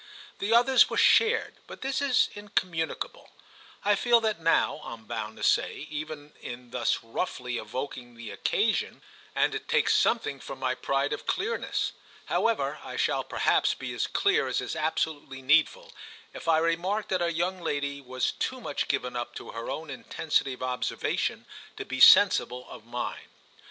The others were shared, but this is incommunicable. I feel that now, I'm bound to say, even in thus roughly evoking the occasion, and it takes something from my pride of clearness. However, I shall perhaps be as clear as is absolutely needful if I remark that our young lady was too much given up to her own intensity of observation to be sensible of mine.